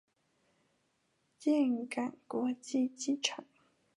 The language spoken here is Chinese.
岘港国际机场。